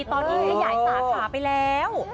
ตอนนี้ให้ใหญ่สาขาไปแล้ว